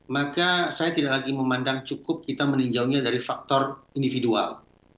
maka saya tidak lagi memandang cukup kita meninjaunya dari faktor individual